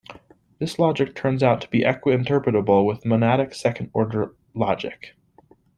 This logic turns out to be equi-interpretable with monadic second order logic.